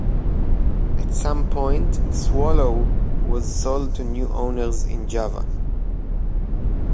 At some point "Swallow" was sold to new owners in Java.